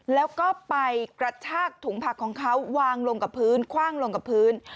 แล้วก็ไปกระชากถุงผักของเขาวางลงกับพื้นคว่างลงกับพื้น